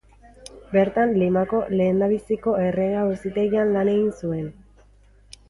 Bertan Limako lehendabiziko Errege-Auzitegian lan egin zuen.